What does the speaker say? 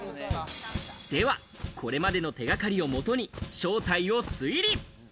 では、これまでの手掛かりをもとに正体を推理。